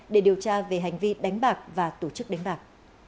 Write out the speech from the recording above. để điều tra về hành vi đánh bạc và tổ chức đánh bạc